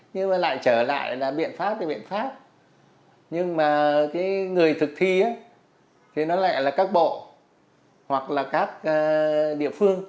nhưng mà lại trở lại là biện pháp thì biện pháp nhưng mà cái người thực thi thì nó lại là các bộ hoặc là các địa phương